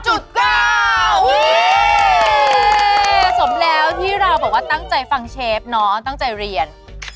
สมแล้วที่เราบอกว่าตั้งใจฟังเชฟเนาะตั้งใจเรียน